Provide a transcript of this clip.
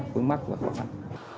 phương mắc và khó khăn